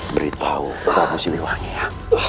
beritahu kakak si liwangi ya